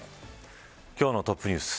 今日のトップニュース。